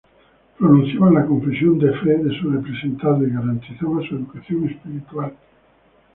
Pronunciaban la confesión de fe de su representado y garantizaba su educación espiritual.